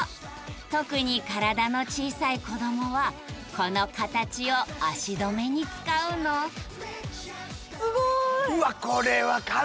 特に体の小さい子どもはこのカタチを足止めに使うのすごい！